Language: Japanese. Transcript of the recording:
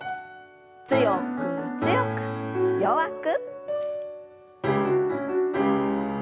強く強く弱く。